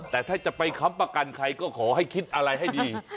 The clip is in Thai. แต่ถ้าจะไปค้ำประกันใครก็ขอให้คิดอะไรให้ดี